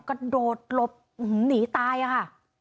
กระโดดหลบหนีตายอะค่ะ